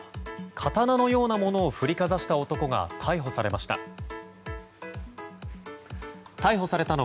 刀のようなものを振りかざした男が逮捕されました。